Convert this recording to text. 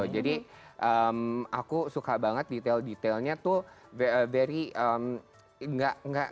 jadi aku suka banget detail detailnya tuh